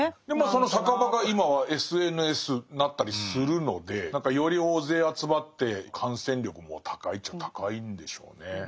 その酒場が今はＳＮＳになったりするので何かより大勢集まって感染力も高いっちゃ高いんでしょうね。